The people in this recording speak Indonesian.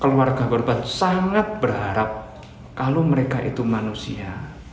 keluarga korban sangat berharap kalau mereka itu manusia